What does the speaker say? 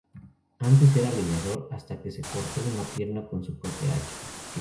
Antes era leñador, hasta que se cortó una pierna con su propia hacha.